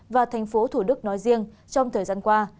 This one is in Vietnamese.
và thành phố thủ đức nói riêng trong thời gian qua